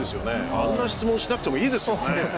あんな質問しなくてもいいですよね。